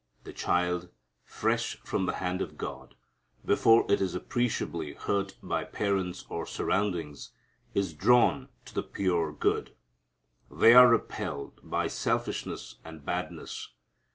The child, fresh from the hand of God, before it is appreciably hurt by parents or surroundings, is drawn to the pure and good. They are repelled by selfishness and badness.